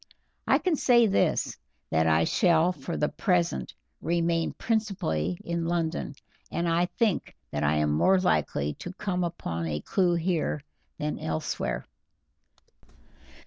I can say this, that I shall for the present remain principally in London, and I think that I am more likely to come upon a clew here than elsewhere."